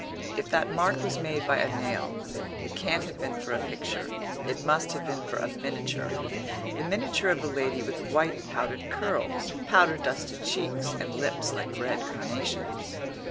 If that mark was made by a nail, it can't have been for a picture, it must have been for a miniature the miniature of a lady with white powdered curls, powder dusted cheeks, and lips like red carnations.